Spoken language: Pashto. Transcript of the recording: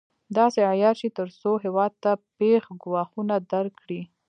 داسې عیار شي تر څو هېواد ته پېښ ګواښونه درک کړي.